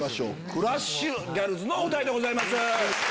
クラッシュ・ギャルズのお２人でございます。